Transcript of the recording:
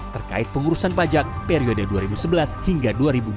terkait pengurusan pajak periode dua ribu sebelas hingga dua ribu dua puluh